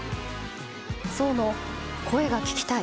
想の声が聴きたい